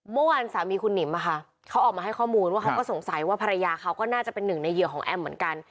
เมื่อวานสามีคุณหนิมเขาออกมาให้ข้อมูลว่าเขาก็สงสัยว่าภรรยาเขาก็น่าจะเป็นหนึ่งในเหยื่อของแอมเหมือนกัน